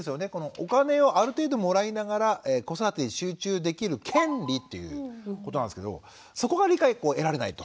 お金をある程度もらいながら子育てに集中できる権利っていうことなんですけどそこが理解を得られないと。